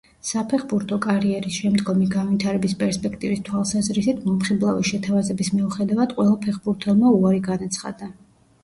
საფეხბურთო კარიერის შემდგომი განვითარების პერსპექტივის თვალსაზრისით მომხიბლავი შეთავაზების მიუხედავად ყველა ფეხბურთელმა უარი განაცხადა.